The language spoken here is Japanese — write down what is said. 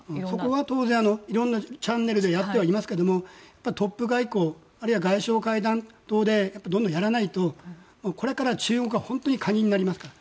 そこは当然、いろいろなチャンネルでやっていますがトップ外交あるいは外相会談等でどんどんやらないと、これから中国は本当に鍵になります。